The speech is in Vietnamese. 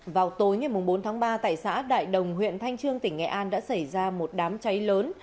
vào tối ngày bốn tháng ba tại xã đại đồng huyện thanh trương tỉnh nghệ an đã xảy ra một đám cháy lớn